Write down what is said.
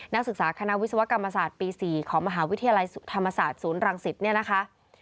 นักศึกษาคณะวิศวกรรมศาสตร์ปี๔ของมหาวิทยาลัยธรรมศาสตร์ศูนย์รังสิตเนี่ยนะคะ